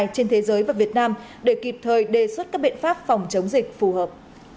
trên thế giới và việt nam để kịp thời đề xuất các biện pháp phòng chống dịch phù hợp